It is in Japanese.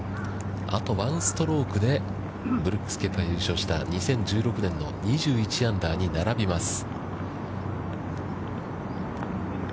あと１ストロークで、ブルックス・ケプカが優勝した２１アンダーに並びます。